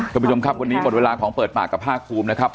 คุณผู้ชมครับวันนี้หมดเวลาของเปิดปากกับภาคภูมินะครับ